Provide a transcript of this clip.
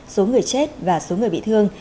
số người chết và số người bị thương